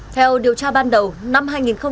theo điều tra ban đầu năm hai nghìn một mươi bảy